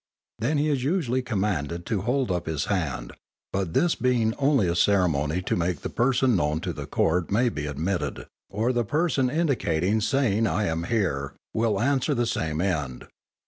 Then he is usually commanded to hold up his hand, but this being only a ceremony to make the person known to the court it may be omitted, or the person indicted saying_ I am here, _will answer the same end.